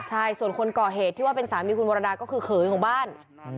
ใช่ส่วนคนก่อเหตุที่ว่าเป็นสามีคุณวรดาก็คือเขยของบ้าน